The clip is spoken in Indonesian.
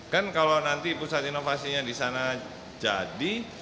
kan kalau nanti pusat inovasinya di sana jadi